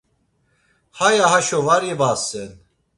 Haya haşo var ivasen.